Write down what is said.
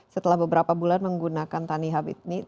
setelah beberapa bulan menggunakan tanihab ini